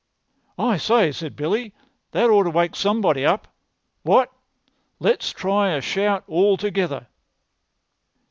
"I say," said Billy, "that ought to wake somebody up. What? Let's try a shout all together."